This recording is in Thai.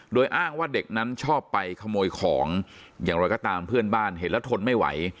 โดยอ้างว่าเด็กนั้นชอบไปขโมยของอย่างไรก็ตามเพื่อนบ้านเห็นแล้วทนไม่ไหว